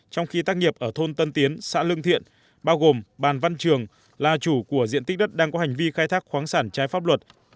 trong khi tác nghiệp ở thôn tân tiến xã lương thiện bao gồm bàn văn trường là chủ của diện tích đất đang có hành vi khai thác khoáng sản trái pháp luật